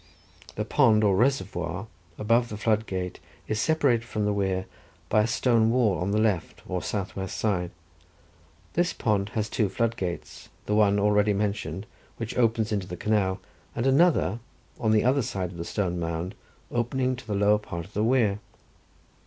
The pond or reservoir above the floodgate is separated from the weir by a stone wall on the left, or south west side. This pond has two floodgates, the one already mentioned, which opens into the canal, and another, on the other side of the stone mound, opening to the lower part of the weir.